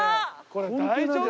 これ大丈夫？